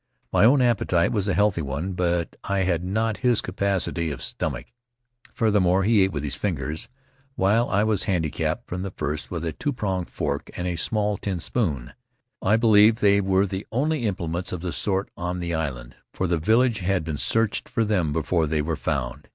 My own appetite was a healthy one, but I had not his capacity of stomach; furthermore, he ate with his fingers, while I was handi capped from the first with a two prong fork and a small tin spoon. I believe they were the only implements of the sort on the island, for the village had been searched for them before they were found.